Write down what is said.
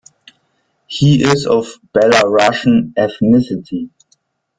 He is of Belarusian ethnicity.